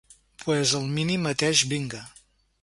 Pues el mini mateix vinga.